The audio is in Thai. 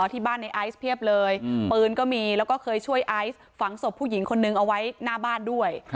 ที่บ้านในไอซ์เพียบเลยปืนก็มีแล้วก็เคยช่วยไอซ์ฝังศพผู้หญิงคนนึงเอาไว้หน้าบ้านด้วย